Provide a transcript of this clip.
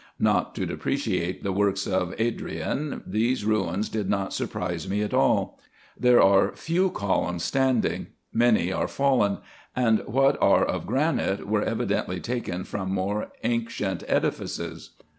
Not to depreciate the works of Adrian, these ruins did not surprise me at all. There are few columns standing ; many are fallen ; and what are of granite were evidently taken from more ancient edifices.